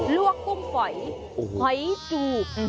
วกกุ้งฝอยหอยจูบ